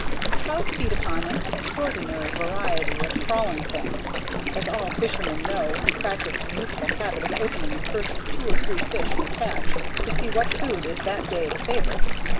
Trout feed upon an extraordinary variety of crawling things, as all fishermen know who practice the useful habit of opening the first two or three fish they catch, to see what food is that day the favorite.